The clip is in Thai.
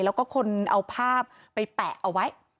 แล้วก็คนเอาภาพไปแปะเอาไว้